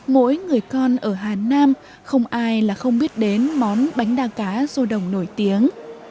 mỗi người con ở hà nam không ai là không biết đến món bánh đa cá rô đồng nổi tiếng